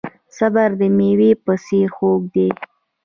صبر د میوې په څیر خوږ دی.